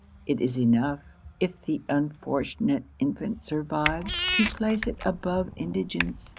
It is enough, if the unfortunate infant survives, to place it above indigence.